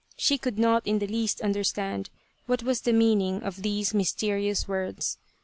She could not in the least understand what was the meaning of these mysterious words.